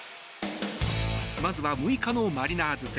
まずは６日のマリナーズ戦。